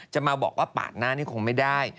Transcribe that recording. จะมาบอกว่าปาดหน้านี่คงไม่ได้